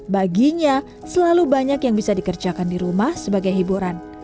baginya selalu banyak yang bisa dikerjakan di rumah sebagai hiburan